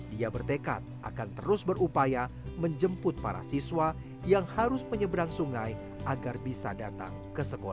dia bertekad akan terus berupaya menjemput para siswa yang harus menyeberang sungai agar bisa datang ke sekolah